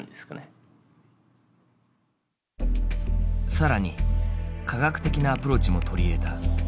更に科学的なアプローチも取り入れた。